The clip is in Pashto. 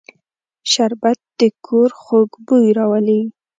شربت د کور خوږ بوی راولي